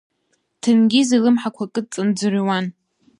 Ҭенгиз илымҳақәа кыдҵаны дӡырҩуан.